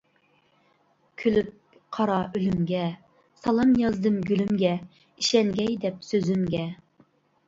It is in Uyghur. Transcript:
كۈلۈپ قارا ئۆلۈمگە سالام يازدىم گۈلۈمگە، ئىشەنگەي دەپ سۆزۈمگە.